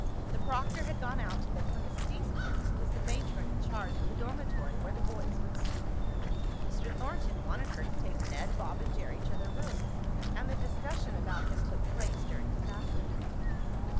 The proctor had gone out to look for Mrs. Eastman, who was the matron in charge of the dormitory where the boys would sleep. Mr. Thornton wanted her to take Ned, Bob and Jerry to their rooms, and the discussion about him took place during his absence.